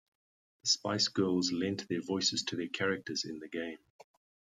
The Spice Girls lent their voices to their characters in the game.